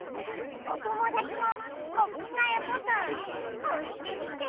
おともだちもおきがえボタンおしてみて。